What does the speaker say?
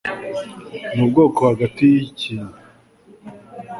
Ndi ubwoko hagati yikintu.